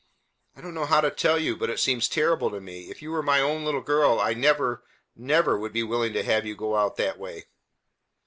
I don't know how to tell you, but it seems terrible to me. If you were my own little girl, I never, never would be willing to have you go out that way."